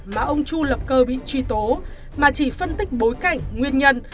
mà ông chu lập cơ bị truy tố mà chỉ phân tích bối cảnh nguyên nhân